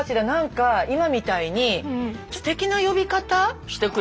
何か今みたいにステキな呼び方？